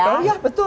oh ya betul